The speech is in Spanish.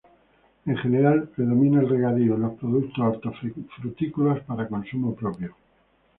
En general predomina el regadío y los productos hortofrutícolas para consumo propio.